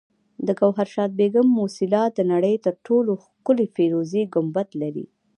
د ګوهرشاد بیګم موسیلا د نړۍ تر ټولو ښکلي فیروزي ګنبد لري